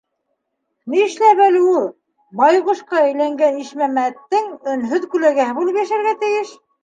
Нишләп әле ул байғошҡа әйләнгән Ишмәмәттең өнһөҙ күләгәһе булып йәшәргә тейеш?